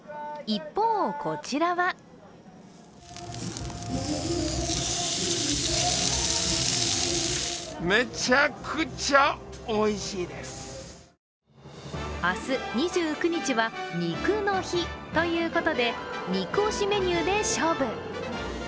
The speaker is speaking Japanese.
一方、こちらは明日２９日は肉の日ということで、肉推しメニューで勝負。